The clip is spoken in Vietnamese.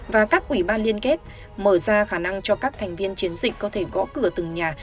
và các ủy ban liên kết mở ra khả năng cho các thành viên chiến dịch có thể gõ cửa từng nhà